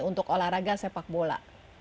untuk olahraga sepak bola